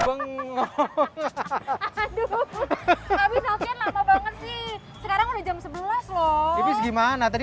bengong hahaha aduh kaget lama banget sih sekarang udah jam sebelas loh gimana tadi